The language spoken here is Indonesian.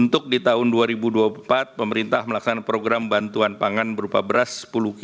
pada tahun dua ribu dua puluh tiga pemerintah meluncurkan bantuan pangan berupa sepuluh kg beras